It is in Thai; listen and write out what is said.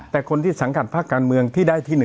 แต่คนที่สังกัดภาคการเมืองที่ได้ที่๑